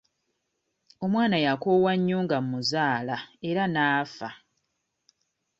Omwana yakoowa nnyo nga mmuzaala era n'afa.